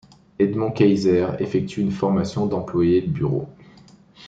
Edmond Kaiser effectue une formation d'employé de bureau.